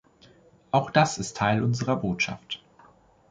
Auch das ist Teil unserer Botschaft.